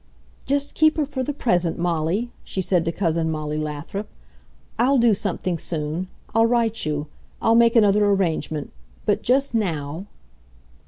"Just keep her for the present, Molly!" she said to Cousin Molly Lathrop. "I'll do something soon. I'll write you. I'll make another arrangement ... but just NOW...."